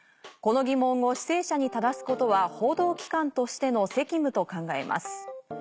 この疑問を施政者にただすことは報道機関としての責務と考えます。